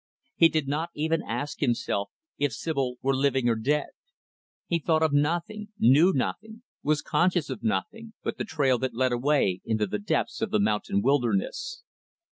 He did not even ask himself if Sibyl were living or dead. He thought of nothing; knew nothing; was conscious of nothing; but the trail that led away into the depths of the mountain wilderness.